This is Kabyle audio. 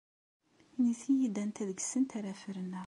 Init-iyi-d anta deg-sent ara ferneɣ.